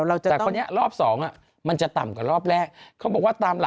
เริ่มรึเปล่า